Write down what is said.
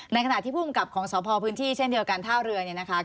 ขณะที่ภูมิกับของสพพื้นที่เช่นเดียวกันท่าเรือเนี่ยนะคะ